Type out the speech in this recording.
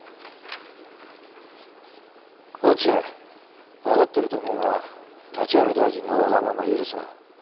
落合わかってると思うが立原大臣のわがままは許さない。